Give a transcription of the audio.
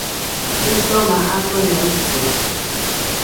Jitoma atona ite